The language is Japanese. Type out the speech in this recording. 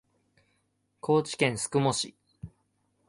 高知県宿毛市